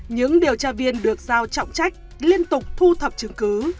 những điều tra viên được giao trọng trách liên tục thu thập chứng cứ